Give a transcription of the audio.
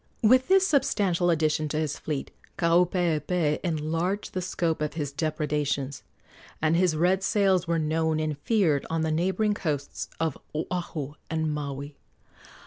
With this substantial addition to his fleet Kaupeepee enlarged the scope of his depredations, and his red sails were known and feared on the neighboring coasts of Oahu and Maui.